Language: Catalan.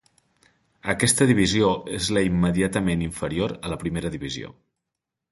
Aquesta divisió és la immediatament inferior a la Primera divisió.